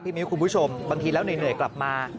มิ้วคุณผู้ชมบางทีแล้วเหนื่อยกลับมา